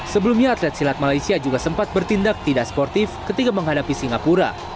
sebelumnya atlet silat malaysia juga sempat bertindak tidak sportif ketika menghadapi singapura